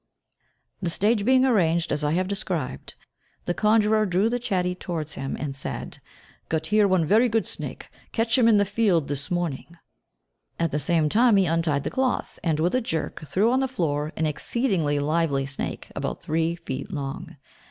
The stage being arranged as I have described, the conjurer drew the chatty towards him, and said, "Got here one very good snake, catch him in field this morning;" at the same time he untied the cloth, and with a jerk threw on the floor an exceedingly lively snake, about three feet long.